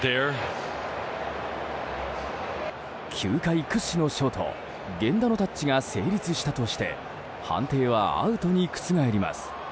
球界屈指のショート源田のタッチが成立したとして判定はアウトに覆ります。